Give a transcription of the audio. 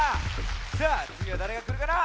じゃあつぎはだれがくるかな？